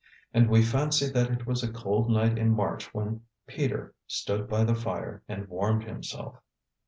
And we fancy that it was a cold night in March when Peter stood by the fire and warmed himself.